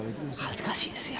恥ずかしいですよ！